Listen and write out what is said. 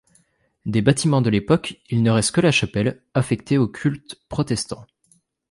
Des bâtiments de l'époque, il ne reste que la chapelle, affectée au culte protestant.